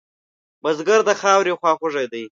بزګر د خاورې خواخوږی دی